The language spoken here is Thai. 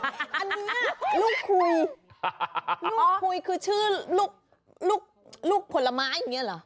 อันนี้ลูกคุยลูกคุยคือชื่อลูกผลไม้อย่างนี้เหรอ